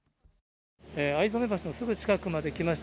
逢初橋のすぐ近くまで来ました。